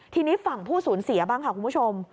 ทีนี้ฝั่งผู้สูญเสียบ้างค่ะคุณผู้ชม